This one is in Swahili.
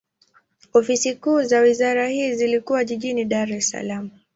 Ofisi kuu za wizara hii zilikuwa jijini Dar es Salaam.